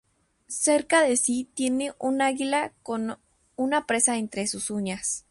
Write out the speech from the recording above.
Cerca de sí tiene un águila con una presa entre sus uñas.